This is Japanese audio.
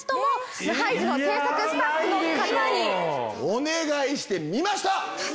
お願いしてみました！